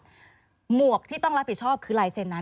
หมวกที่ต้องรับผิดชอบคือลายเซ็นนั้น